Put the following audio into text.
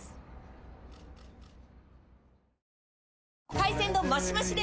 海鮮丼マシマシで！